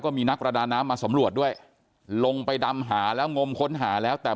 มีนักประดาน้ำมาสำรวจด้วยลงไปดำหาแล้วงมค้นหาแล้วแต่